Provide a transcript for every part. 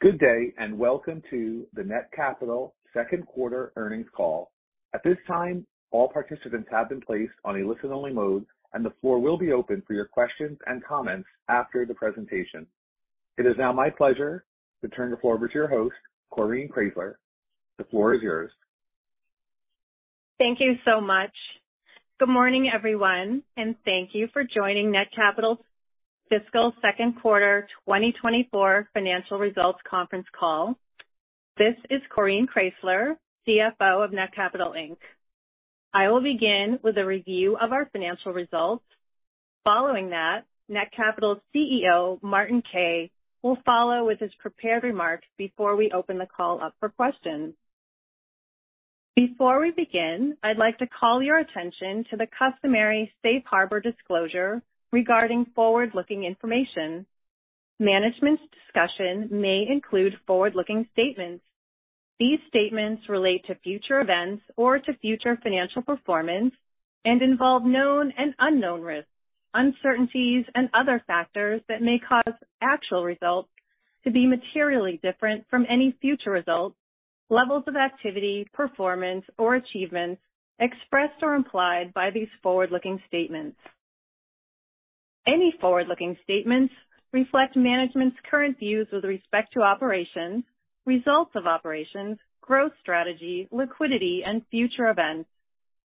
Good day, and welcome to the Netcapital second quarter earnings call. At this time, all participants have been placed on a listen-only mode, and the floor will be open for your questions and comments after the presentation. It is now my pleasure to turn the floor over to your host, Coreen Kraysler. The floor is yours. Thank you so much. Good morning, everyone, and thank you for joining Netcapital's fiscal second quarter 2024 financial results conference call. This is Coreen Kraysler, CFO of Netcapital Inc. I will begin with a review of our financial results. Following that, Netcapital's CEO, Martin Kay, will follow with his prepared remarks before we open the call up for questions. Before we begin, I'd like to call your attention to the customary safe harbor disclosure regarding forward-looking information. Management's discussion may include forward-looking statements. These statements relate to future events or to future financial performance and involve known and unknown risks, uncertainties, and other factors that may cause actual results to be materially different from any future results, levels of activity, performance, or achievements expressed or implied by these forward-looking statements. Any forward-looking statements reflect management's current views with respect to operations, results of operations, growth strategy, liquidity, and future events.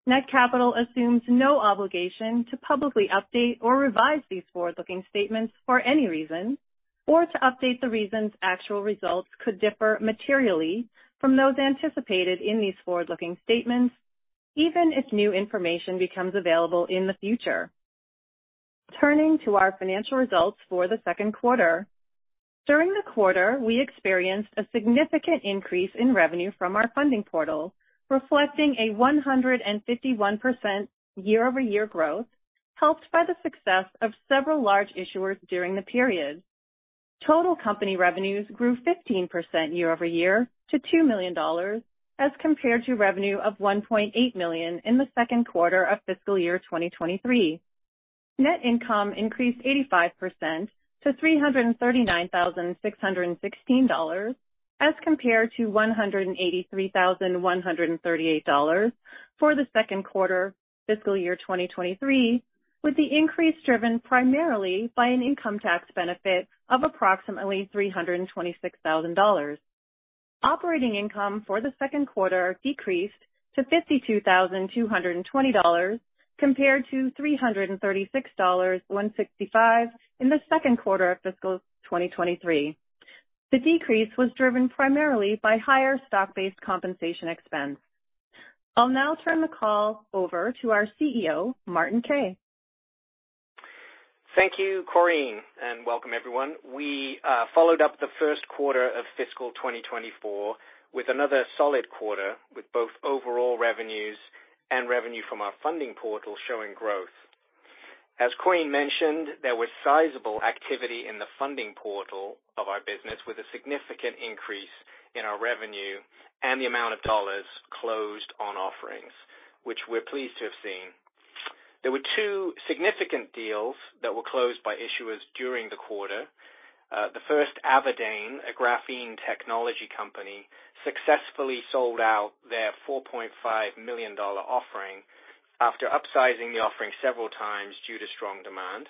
Netcapital assumes no obligation to publicly update or revise these forward-looking statements for any reason, or to update the reasons actual results could differ materially from those anticipated in these forward-looking statements, even if new information becomes available in the future. Turning to our financial results for the second quarter. During the quarter, we experienced a significant increase in revenue from our funding portal, reflecting a 151% year-over-year growth, helped by the success of several large issuers during the period. Total company revenues grew 15% year-over-year to $2 million as compared to revenue of $1.8 million in the second quarter of fiscal year 2023. Net income increased 85% to $339,616, as compared to $183,138 for the second quarter fiscal year 2023, with the increase driven primarily by an income tax benefit of approximately $326,000. Operating income for the second quarter decreased to $52,220, compared to $336,165 in the second quarter of fiscal 2023. The decrease was driven primarily by higher stock-based compensation expense. I'll now turn the call over to our CEO, Martin Kay. Thank you, Coreen, and welcome, everyone. We followed up the first quarter of fiscal 2024 with another solid quarter, with both overall revenues and revenue from our funding portal showing growth. As Coreen mentioned, there was sizable activity in the funding portal of our business, with a significant increase in our revenue and the amount of dollars closed on offerings, which we're pleased to have seen. There were two significant deals that were closed by issuers during the quarter. The first, Avadain, a graphene technology company, successfully sold out their $4.5 million offering after upsizing the offering several times due to strong demand.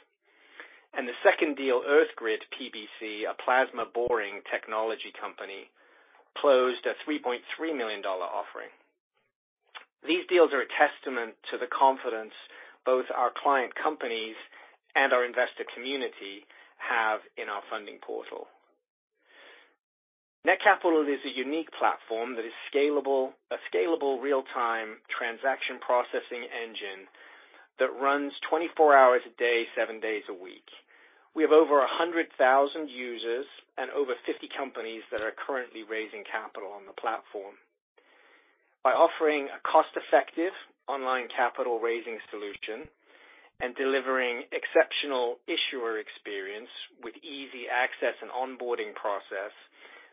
The second deal, EarthGrid PBC, a plasma boring technology company, closed a $3.3 million offering. These deals are a testament to the confidence both our client companies and our investor community have in our funding portal. Netcapital is a unique platform that is scalable, a scalable real-time transaction processing engine that runs 24 hours a day, 7 days a week. We have over 100,000 users and over 50 companies that are currently raising capital on the platform. By offering a cost-effective online capital raising solution and delivering exceptional issuer experience with easy access and onboarding process,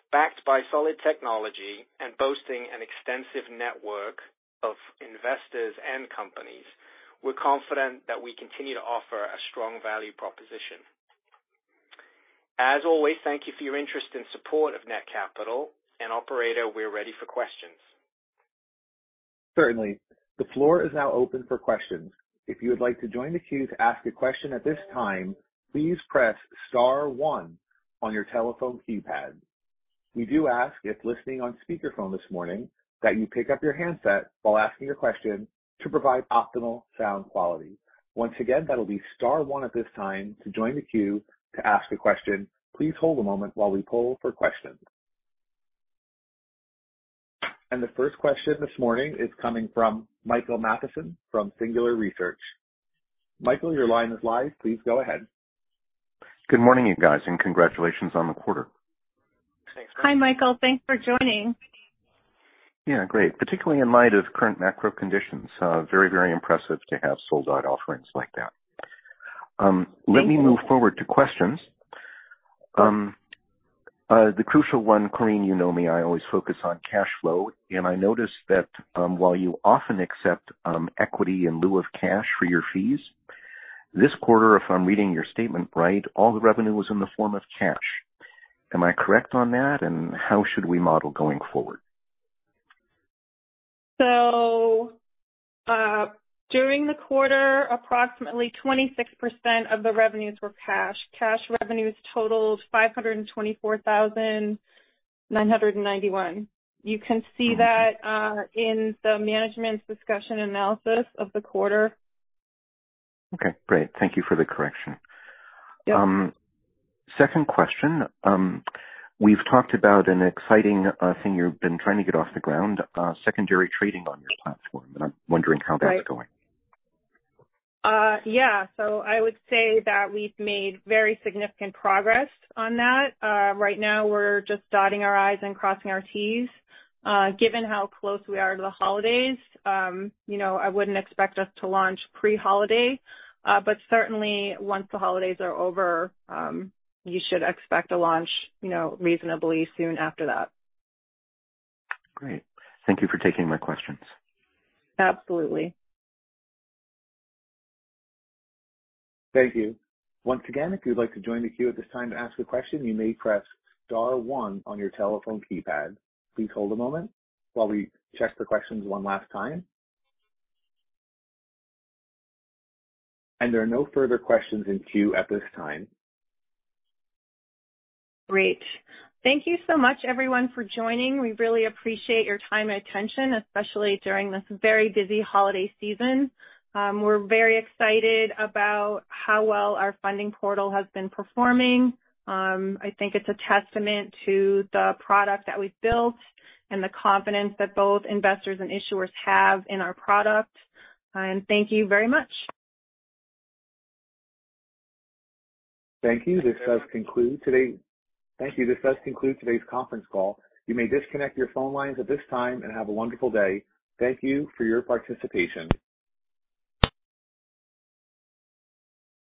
backed by solid technology and boasting an extensive network of investors and companies, we're confident that we continue to offer a strong value proposition. As always, thank you for your interest and support of Netcapital, and operator, we're ready for questions. Certainly. The floor is now open for questions. If you would like to join the queue to ask a question at this time, please press star one on your telephone keypad. We do ask, if listening on speakerphone this morning, that you pick up your handset while asking your question to provide optimal sound quality. Once again, that'll be star one at this time to join the queue to ask a question. Please hold a moment while we poll for questions. The first question this morning is coming from Michael Mathison from Singular Research. Michael, your line is live. Please go ahead. Good morning, you guys, and congratulations on the quarter. Thanks. Hi, Michael. Thanks for joining. Yeah, great. Particularly in light of current macro conditions, very, very impressive to have sold-out offerings like that. Thank you. Let me move forward to questions. The crucial one, Coreen, you know me, I always focus on cash flow, and I noticed that, while you often accept equity in lieu of cash for your fees, this quarter, if I'm reading your statement right, all the revenue was in the form of cash. Am I correct on that? And how should we model going forward? During the quarter, approximately 26% of the revenues were cash. Cash revenues totaled $524,991. You can see that in the management's discussion analysis of the quarter. Okay, great. Thank you for the correction. Yep. Second question. We've talked about an exciting thing you've been trying to get off the ground, secondary trading on your platform, and I'm wondering how that's going? Right. Yeah. So I would say that we've made very significant progress on that. Right now we're just dotting our I's and crossing our T's. Given how close we are to the holidays, you know, I wouldn't expect us to launch pre-holiday, but certainly once the holidays are over, you should expect a launch, you know, reasonably soon after that. Great. Thank you for taking my questions. Absolutely. Thank you. Once again, if you'd like to join the queue at this time to ask a question, you may press star one on your telephone keypad. Please hold a moment while we check the questions one last time. There are no further questions in queue at this time. Great. Thank you so much, everyone, for joining. We really appreciate your time and attention, especially during this very busy holiday season. We're very excited about how well our funding portal has been performing. I think it's a testament to the product that we've built and the confidence that both investors and issuers have in our product. Thank you very much. Thank you. This does conclude today's conference call. You may disconnect your phone lines at this time and have a wonderful day. Thank you for your participation.